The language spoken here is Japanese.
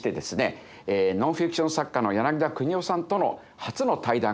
ノンフィクション作家の柳田邦男さんとの初の対談が実現いたしました。